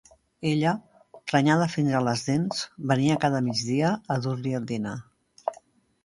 Ella, prenyada fins a les dents, venia cada migdia a dur-li el dinar.